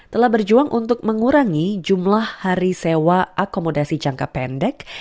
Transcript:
telah berjuang untuk mengurangi jumlah hari sewa akomodasi jangka pendek